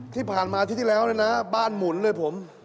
ที่ผ่านมาที่ที่แล้วนี่นะบ้านหมุนเลยผม